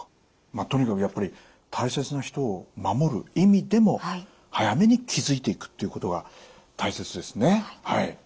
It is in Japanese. まあとにかくやっぱり大切な人を守る意味でも早めに気付いていくっていうことが大切ですね。